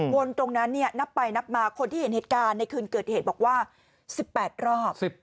ตรงนั้นนับไปนับมาคนที่เห็นเหตุการณ์ในคืนเกิดเหตุบอกว่า๑๘รอบ